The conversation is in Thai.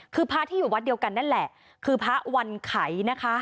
คือพระที่อยู่วัดเดียวกันนั่นแหละคือพระวันไขนะคะ